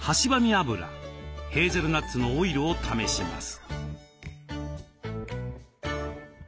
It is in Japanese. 油ヘーゼルナッツのオイルを試します。